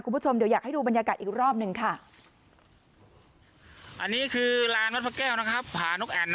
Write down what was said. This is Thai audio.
คุณผู้ชมเดี๋ยวอยากให้ดูบรรยากาศอีกรอบหนึ่งค่ะ